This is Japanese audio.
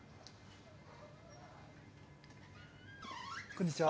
こんにちは。